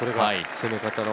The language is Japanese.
攻め方の。